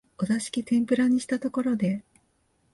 お座敷天婦羅にしたところで、